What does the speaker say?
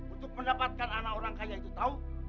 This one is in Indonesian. untuk mendapatkan anak orang kaya itu tahu